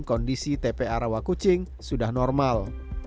kondisi tpa rawak kucing sudah normal